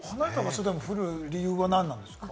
降る理由は何ですか？